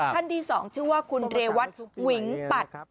ท่านที่๒ชื่อว่าคุณเรวัตวิงปัด